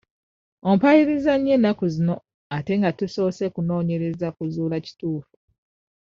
Ompaayiriza nnyo ennaku zino ate nga tosoose kunoonyereza kuzuula kituufu.